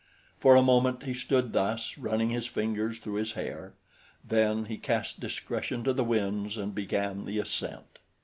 For a moment he stood thus, running his fingers through his hair; then he cast discretion to the winds and began the ascent.